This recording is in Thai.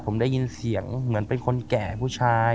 ผมได้ยินเสียงเหมือนเป็นคนแก่ผู้ชาย